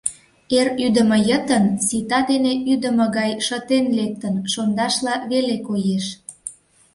Эр ӱдымӧ йытын сита дене ӱдымӧ гай шытен лектын, шондашла веле коеш.